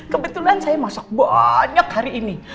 kebetulan saya masak banyak hari ini